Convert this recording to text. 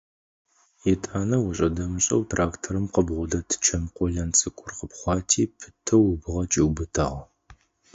Етӏанэ ошӏэ-дэмышӏэу тракторым къыбгъодэт чэм къолэн цӏыкӏур къыпхъуати, пытэу ыбгъэ кӏиубытагъ.